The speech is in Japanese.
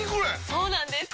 そうなんです！